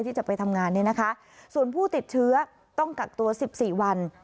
ที่จะไปทำงานเนี่ยนะคะส่วนผู้ติดเชื้อต้องกักตัว๑๔วัน